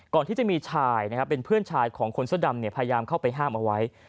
ก่อนที่จะมีชายนะครับเป็นเพื่อนชายของคนเสื้อดำพยายามเข้าไปห้ามเอาไว้